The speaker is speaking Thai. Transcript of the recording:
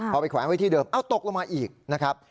พอไปแขวนไว้ที่เดิมเอ้าตกลงมาอีกนะครับ